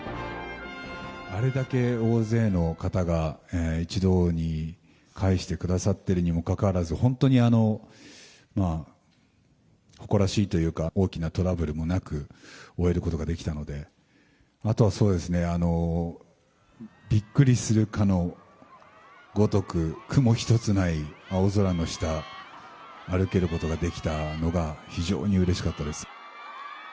あれだけ大勢の方が一堂に会してくださっているにもかかわらず、本当に誇らしいというか、大きなトラブルもなく終えることができたので、あとはそうですね、びっくりするかのごとく、雲一つない青空の下、歩けることができたのが、非常にうれしかったです。